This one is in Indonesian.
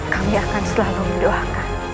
kami akan selalu mendoakan